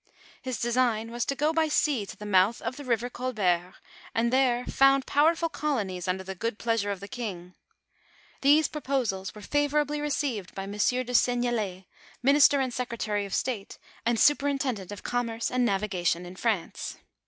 His design was to go by sea to the mouth of the river Col « 186 KARRATIVK OF FATIIKK L j|CI\>t^<^« , I. . I ' bert, and there found powerful colonies under th .1 good pleas ure of the king. These proposals* were favorably received by Monsieur de Seignelay, minister and secretary of state, and superintendent of commerce and navigation in France.